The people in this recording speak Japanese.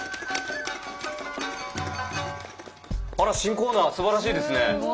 あら新コーナーすばらしいですね。